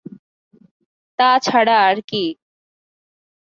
তাছাড়া আর কি?